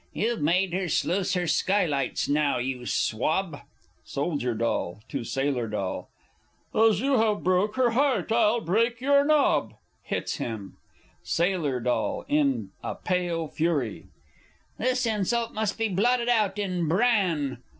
You've made her sluice her sky lights now, you swab! Soldier D. (to Sailor D.). As you have broke her heart, I'll break your nob! [Hits him. Sailor D. (in a pale fury). This insult must be blotted out in bran!